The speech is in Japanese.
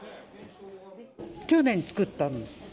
去年作ったんです。